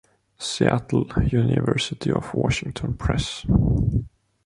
Seattle: University of Washington Press.